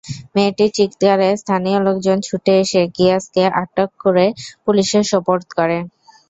মেয়েটির চিৎকারে স্থানীয় লোকজন ছুটে এসে গিয়াসকে আটক করে পুলিশে সোপর্দ করে।